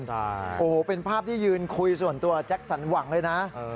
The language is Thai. ใช่โอ้โหเป็นภาพที่ยืนคุยส่วนตัวแจ็คสันหวังเลยนะ